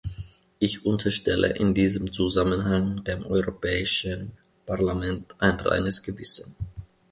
Ich unterstelle in diesem Zusammenhang dem Europäischen Parlament ein reines Gewissen.